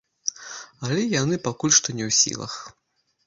Але яны пакуль што не ў сілах.